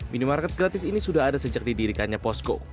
minimarket gratis ini sudah ada sejak didirikannya posko